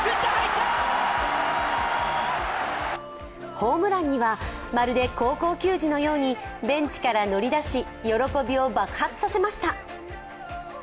ホームランにはまるで高校球児のようにベンチから乗り出し、喜びを爆発させました。